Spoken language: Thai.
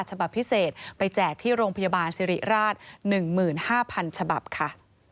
ฉบับพิเศษไปแจกที่โรงพยาบาลสิริราช๑๕๐๐๐ฉบับค่ะ